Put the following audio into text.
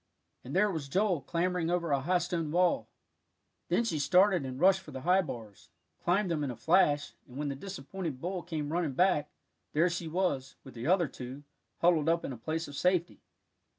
And there was Joel clambering over a high stone wall. Then she started and rushed for the high bars, climbed them in a flash, and when the disappointed bull came running back, there she was, with the other two, huddled up in a place of safety.